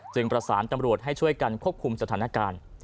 ประสานตำรวจให้ช่วยกันควบคุมสถานการณ์